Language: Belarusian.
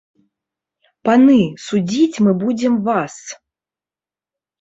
Паны, судзіць мы будзем вас!